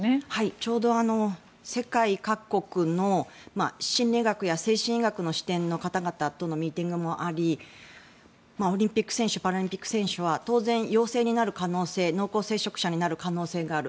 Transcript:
ちょうど世界各国の心理学や精神医学の視点の方々とのミーティングもありオリンピック選手パラリンピック選手は陽性になる可能性濃厚接触者になる可能性がある。